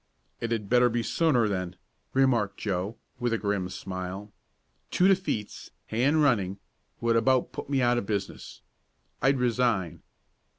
"It had better be sooner then," remarked Joe, with a grim smile. "Two defeats, hand running, would about put me out of business. I'd resign."